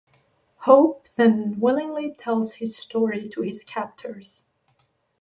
Hope then willingly tells his story to his captors.